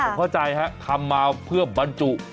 ผมเข้าใจฮะทำมาเพื่อบรรจุ